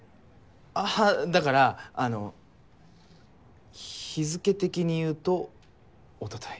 あぁだからあの日付的にいうとおととい。